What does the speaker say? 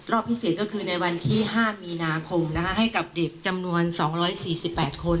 พิเศษก็คือในวันที่๕มีนาคมให้กับเด็กจำนวน๒๔๘คน